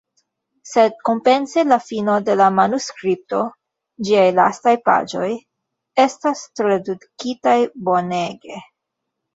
Sed kompense la fino de la manuskripto, ĝiaj lastaj paĝoj, estas tradukitaj bonege.